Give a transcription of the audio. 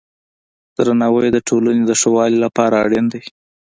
درناوی د ټولنې د ښه والي لپاره اړین دی.